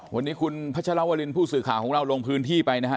วันนี้คุณพัชรวรินผู้สื่อข่าวของเราลงพื้นที่ไปนะฮะ